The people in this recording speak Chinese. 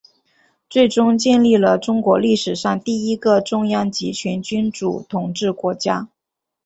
最终建立了中国历史上第一个中央集权君主统治国家。